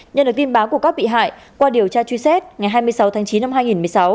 nhận được tin báo của các bị hại qua điều tra truy xét ngày hai mươi sáu tháng chín năm hai nghìn một mươi sáu